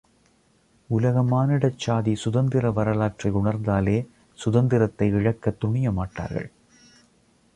உலக மானிட சாதி சுதந்திர வரலாற்றை உணர்ந்தாலே சுதந்தரத்தை இழக்கத் துணியமாட்டார்கள்.